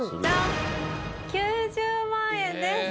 ９０万円です